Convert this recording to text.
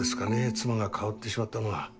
妻が変わってしまったのは。